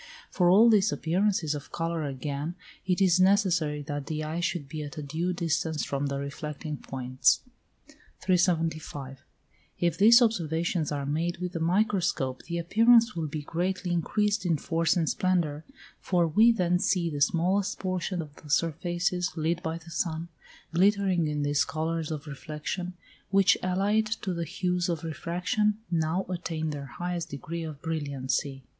For all these appearances of colour again it is necessary that the eye should be at a due distance from the reflecting points. 375. If these observations are made with the microscope, the appearance will be greatly increased in force and splendour, for we then see the smallest portion of the surfaces, lit by the sun, glittering in these colours of reflection, which, allied to the hues of refraction, now attain their highest degree of brilliancy.